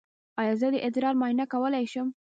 ایا زه د ادرار معاینه کولی شم؟